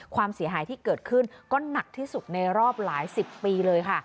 ความเสียหายที่เกิดขึ้นก็หนักที่สุดในรอบหลายสิบปีเลยค่ะ